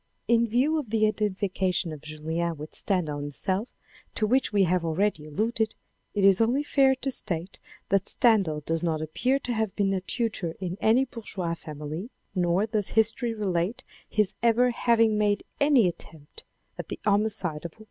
In view of the identification of Julien with Stendal himself to which we have already alluded, it is only fair to state that Stendhal does not appear to have ever been a tutor in a bourgeois family, nor does history relate his ever having made any attempt at the homicide of a woman.